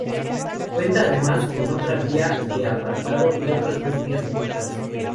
Cuenta además con otra vía de apartado y otras dos vías muertas.